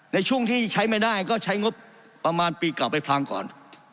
ในช่วงที่ใช้ไม่ได้ก็ใช้งบประมาณปีเก่าไปพังก่อน